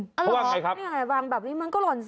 เพราะว่าใครครับนี่ไงวางแบบนี้มันก็หล่อนสิ